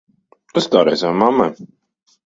Uztaurē savai mammai!